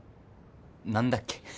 何だっけ？